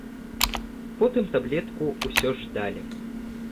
Потым таблетку ўсё ж далі.